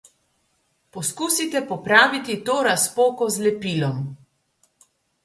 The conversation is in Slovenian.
Poskusite popraviti to razpoko z lepilom.